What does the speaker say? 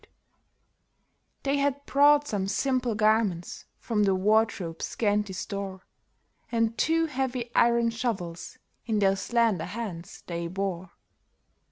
THE DRUMMER BOY'S BURIAL 8l They had brought some simple garments from their ward robe's scanty store, And two heavy iron shovels in their slender hands they bore.